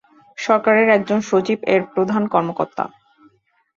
সরকারের একজন সচিব এর প্রধান কর্মকর্তা।